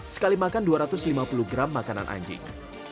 sekali makan dua ratus lima puluh gram makanan anjing